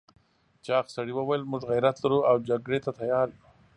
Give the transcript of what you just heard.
چاغ سړي وویل موږ غيرت لرو او جګړې ته تيار یو.